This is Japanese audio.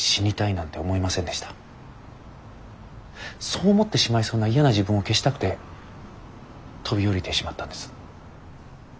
そう思ってしまいそうな嫌な自分を消したくて飛び降りてしまったんです。